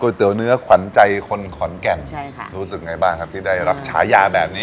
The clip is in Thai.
เตี๋ยวเนื้อขวัญใจคนขอนแก่นใช่ค่ะรู้สึกไงบ้างครับที่ได้รับฉายาแบบนี้